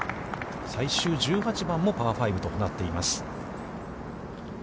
最終１８番もパー５となっています。